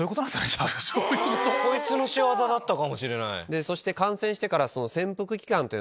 こいつの仕業だったかもしれない。